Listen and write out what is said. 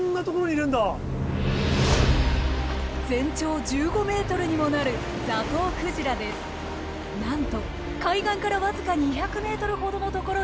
全長１５ｍにもなるなんと海岸から僅か２００ｍほどのところに現れました。